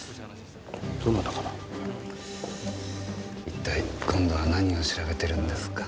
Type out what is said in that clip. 一体今度は何を調べてるんですか？